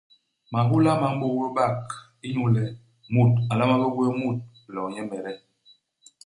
Mahôla ma m'bôk bé bak inyu le, mut a nlama bé gwés mut iloo nyemede.